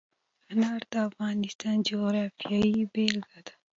انار د افغانستان د جغرافیې بېلګه ده.